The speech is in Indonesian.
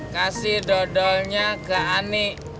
kasih dodolnya ke ani